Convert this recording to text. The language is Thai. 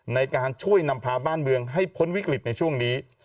ในการช่วยนำพาบ้านเมืองให้พ้นวิกฤตในช่วงนี้